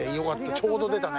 ちょうど出たね。